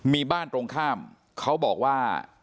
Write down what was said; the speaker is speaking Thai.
มีบ้านตรงข้ามเขาบอกว่า